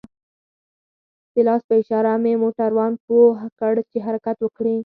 د لاس په اشاره مې موټروان پوه كړ چې حركت وكړي.